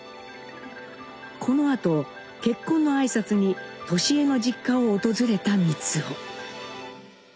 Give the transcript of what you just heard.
このあと結婚の挨拶に智江の実家を訪れた光男。